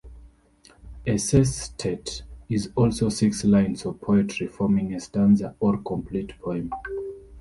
A sestet is also six lines of poetry forming a stanza or complete poem.